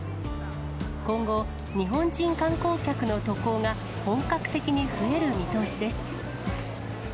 今後、日本人観光客の渡航が本格的に増える見通しです。